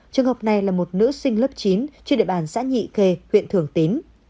trường hợp này là một nữ sinh lớp chín trên địa bàn xã nhị kê huyện thường tín